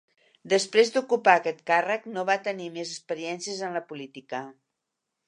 Després d'ocupar aquest càrrec, no va tenir més experiències en la política.